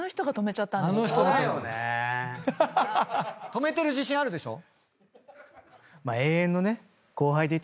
止めてる自信あるでしょ？